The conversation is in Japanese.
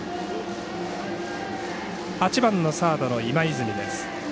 ８番のサードの今泉です。